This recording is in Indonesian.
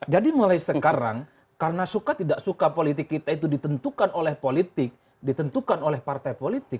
jadi mulai sekarang karena suka tidak suka politik kita itu ditentukan oleh politik ditentukan oleh partai politik